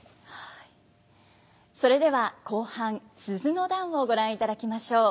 それでは後半「鈴の段」をご覧いただきましょう。